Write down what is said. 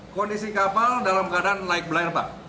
kondisi kapal dalam keadaan laik berlayar pak